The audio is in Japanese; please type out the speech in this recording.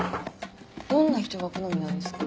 どんな人が好みなんですか？